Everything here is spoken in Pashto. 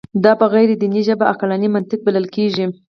دا په غیر دیني ژبه عقلاني منطق بلل کېږي.